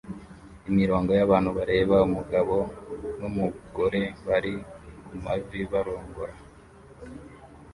Imirongo yabantu bareba umugabo numugore bari kumavi barongora